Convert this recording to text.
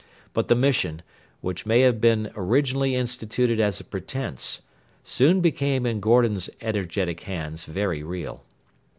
But the mission, which may have been originally instituted as a pretence, soon became in Gordon's energetic hands very real.